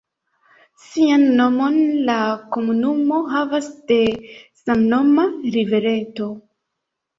Sian nomon la komunumo havas de samnoma rivereto.